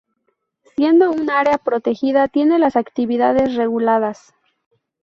Siendo un área protegida tiene las actividades reguladas.